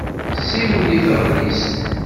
Siwel i taɣellist!